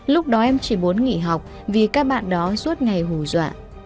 lúc đó em chỉ muốn nghỉ học vì các bạn đó suốt ngày hù dọa